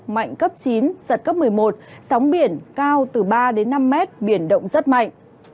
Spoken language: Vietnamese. mạnh cấp chín giật cấp một mươi một sóng biển cao từ ba năm m biển động rất mạnh